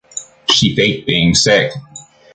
She faked being sick.